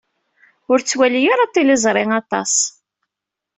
Ur ttwali ara tiliẓri aṭas.